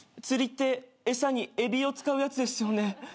釣りって餌に海老を使うやつですよね？